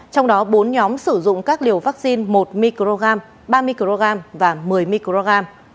trong đó bốn nhóm sử dụng các liều vaccine một mg ba mg và một mươi mg